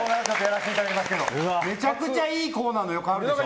めちゃくちゃいいコーナーの予感でしょ？